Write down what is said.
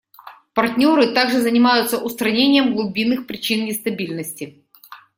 Партнеры также занимаются устранением глубинных причин нестабильности.